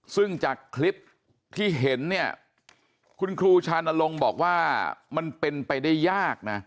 ซึ่งจากคลิปที่เห็นเนี่ยคุณครูชานลงบอกว่ามันเป็นไปได้ยากนะ